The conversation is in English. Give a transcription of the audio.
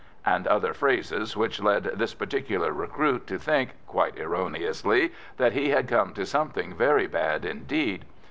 and other phrases which led this particular recruit to think, quite erroneously, that he had come to something very bad indeed.